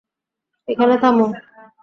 এখানে থামো।